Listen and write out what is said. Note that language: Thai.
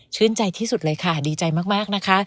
ใจที่สุดเลยค่ะดีใจมากนะคะ